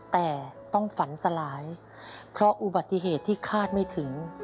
แต่ต้องฝันสลายเพราะอุบัติเหตุที่คาดไม่ถึง